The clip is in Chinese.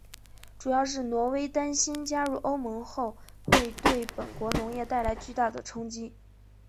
主要是挪威担心加入欧盟后会对本国农业带来巨大的冲击。